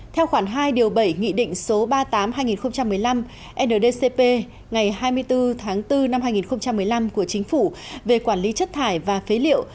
theo khoản hai bảy ba mươi tám hai nghìn một mươi năm ndcp ngày hai mươi bốn tháng bốn năm hai nghìn một mươi năm của chính phủ về quản lý chất thải và phế liệu